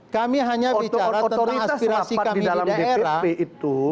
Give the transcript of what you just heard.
kami hanya bicara tentang aspirasi kami di dprp itu